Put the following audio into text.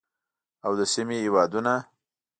او د سیمې هیوادونه